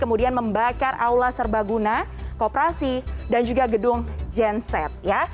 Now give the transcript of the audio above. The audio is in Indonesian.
kemudian membakar aula serbaguna kooperasi dan juga gedung genset